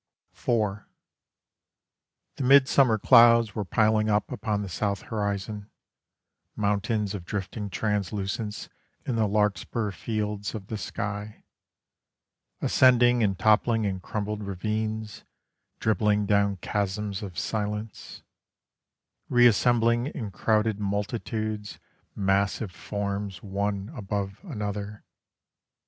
IV The midsummer clouds were piling up upon the south horizon, Mountains of drifting translucence in the larkspur fields of the sky: Ascending and toppling in crumbled ravines, dribbling down chasms of silence, Reassembling in crowded multitudes, massive forms one above another.